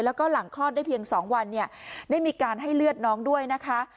แล้วก็หลังคลอดได้เพียง๒วันเนี่ยได้มีการให้เลือดน้องด้วยนะคะ